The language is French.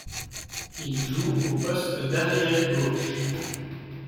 Il joue au poste d'arrière-gauche.